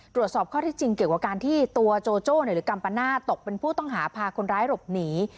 ตรวจสอบข้อที่จริงเกี่ยวกับการที่ตัวโจโจ้หรือกัมปนาตกเป็นผู้ต้องหาพาคนร้ายหลบหนี